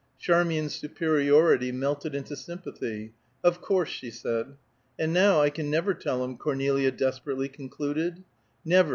Charmian's superiority melted into sympathy: "Of course," she said. "And now, I never can tell him," Cornelia desperately concluded. "Never!"